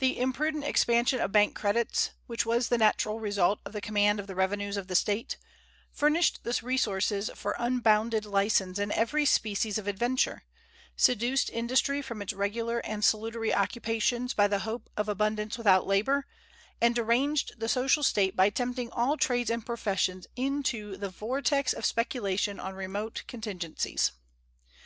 The imprudent expansion of bank credits, which was the natural result of the command of the revenues of the State, furnished the resources for unbounded license in every species of adventure, seduced industry from its regular and salutary occupations by the hope of abundance without labor, and deranged the social state by tempting all trades and professions into the vortex of speculation on remote contingencies.